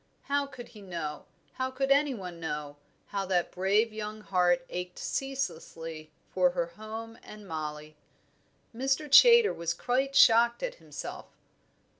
How could he know, how could any one know, how that brave young heart ached ceaselessly for her home and Mollie. Mr. Chaytor was quite shocked at himself.